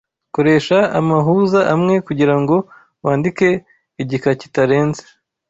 Koresha amahuza amwe kugirango wandike igika kitarenze